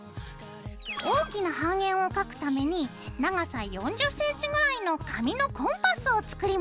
大きな半円を描くために長さ４０ｃｍぐらいの紙のコンパスを作ります。